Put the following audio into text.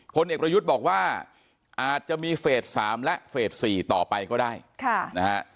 พลเอกประยุทธ์บอกว่าอาจจะมีเฟส๓และเฟส๔ต่อไปก็ได้ค่ะนะฮะ